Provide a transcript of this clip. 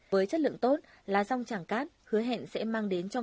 với chất lượng tốt lá rong có thể được tạo ra trong những năm trước